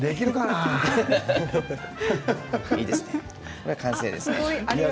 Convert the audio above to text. これで完成です。